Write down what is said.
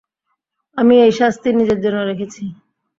আমি এই শাস্তি নিজের জন্য রেখেছি।